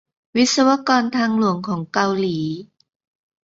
วิศวกรทางหลวงของเกาหลี